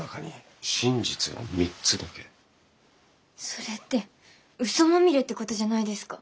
それって嘘まみれってことじゃないですか？